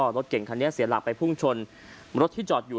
รถเก่งคันนี้เสียหลักไปพุ่งชนรถที่จอดอยู่